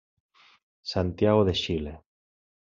Santiago de Xile: